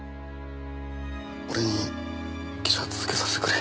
俺に記者続けさせてくれ。